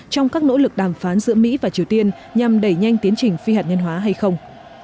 trong các nỗ lực đàm phán giữa mỹ và triều tiên nhằm đẩy nhanh tiến trình phi hạt nhân hóa hay không